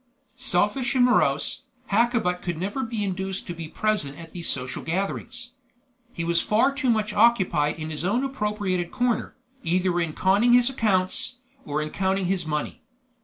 Selfish and morose, Hakkabut could never be induced to be present at these social gatherings. He was far too much occupied in his own appropriated corner, either in conning his accounts, or in counting his money.